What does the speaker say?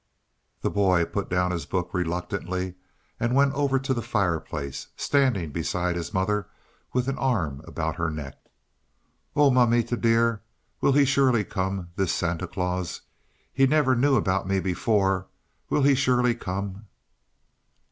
The boy put down his book reluctantly and went over to the fireplace, standing beside his mother with an arm about her neck. "Oh, mamita dear, will he surely come, this Santa Claus? He never knew about me before; will he surely come?"